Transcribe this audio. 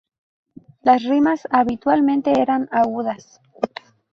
Las rimas, habitualmente, eran agudas.